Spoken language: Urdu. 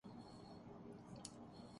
مفید نتیجہ نہیں پیدا کر سکتا